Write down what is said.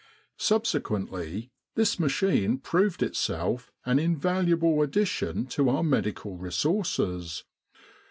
Subsequently, this machine proved itself an in valuable addition to our medical resources.